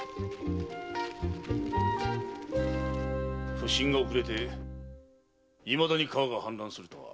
普請が遅れていまだに川が氾濫するとは。